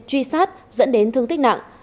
truy sát dẫn đến thương tích nặng